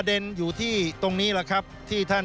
ส่วนต่างกระโบนการ